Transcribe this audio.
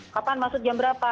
kapan maksud jam berapa